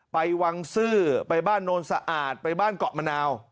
ไปวังซื้อไปบ้านโนนสะอาดไปบ้านเกาะมะนาว